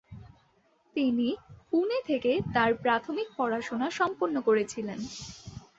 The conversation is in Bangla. তিনি পুনে থেকে তাঁর প্রাথমিক পড়াশোনা সম্পন্ন করেছিলেন।